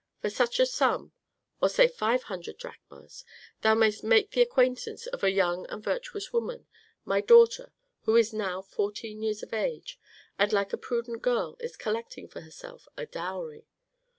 For such a sum, or say five hundred drachmas, thou mayst make the acquaintance of a young and virtuous woman, my daughter, who is now fourteen years of age, and like a prudent girl is collecting for herself a dowry.